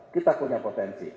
kita punya potensi